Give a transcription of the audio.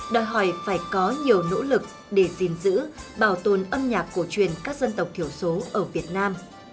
đòi hỏi phải có nhiều nỗ lực để gìn giữ bảo tồn âm nhạc cổ truyền các dân tộc thiểu số ở việt nam